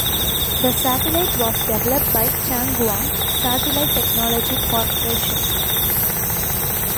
The satellite was developed by Chang Guang Satellite Technology Corporation.